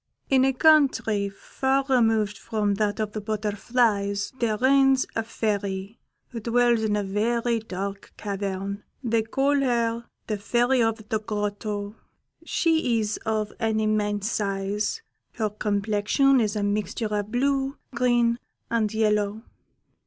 "In a country far removed from that of the butterflies there reigns a Fairy, who dwells in a very dark cavern: they call her the Fairy of the Grotto. She is of an immense size; her complexion is a mixture of blue, green, and yellow.